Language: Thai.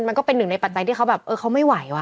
มันก็เป็นหนึ่งในปัจจัยที่เขาแบบเออเขาไม่ไหวว่